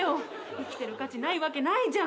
生きてる価値ないわけないじゃん。